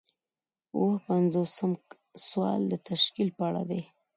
اووه پنځوسم سوال د تشکیل په اړه دی.